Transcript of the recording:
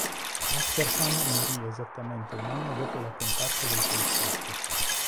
Ascherham morì esattamente un anno dopo la comparsa dei suoi scritti.